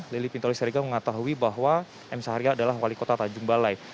lili pintauli siregar juga mengetahui bahwa m sahrial adalah wali kota tanjung balai